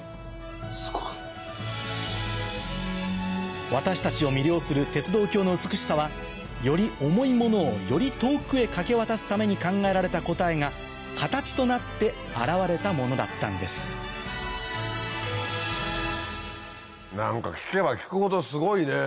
すごい！私たちを魅了する鉄道橋の美しさはより重いものをより遠くへ架け渡すために考えられた答えが形となって現れたものだったんです何か聞けば聞くほどすごいねぇ。